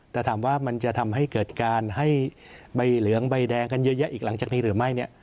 แต่ถามว่ามันจะทำให้เกิดการให้ใบเหลืองใบแดงกันเยอะแยะอีกหลังจากนี้หรือไม่เนี่ย